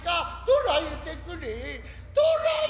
とらえてくれ。